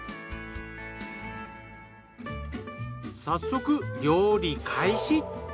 早速料理開始。